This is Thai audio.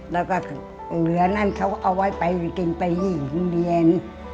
แล้วก็เหลือนั่นเขาก็เอาไว้ไปกินไปที่โรงเรียน